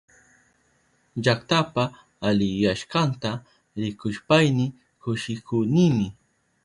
Llaktapa aliyashkanta rikushpayni kushikunimi.